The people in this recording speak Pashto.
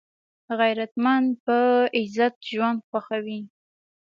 غیرتمند په عزت ژوند خوښوي